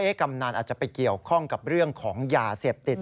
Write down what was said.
กำนันอาจจะไปเกี่ยวข้องกับเรื่องของยาเสพติด